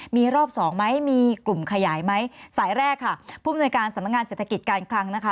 มีรอบสองไหมมีกลุ่มขยายไหมสายแรกค่ะผู้มนวยการสำนักงานเศรษฐกิจการคลังนะคะ